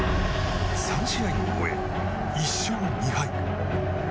３試合を終え、１勝２敗。